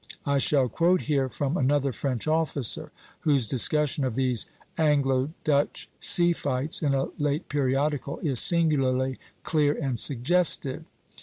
I shall quote here from another French officer, whose discussion of these Anglo Dutch sea fights, in a late periodical, is singularly clear and suggestive.